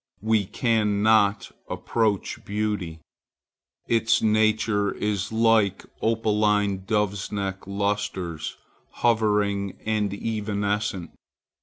We cannot approach beauty. Its nature is like opaline doves' neck lustres, hovering and evanescent.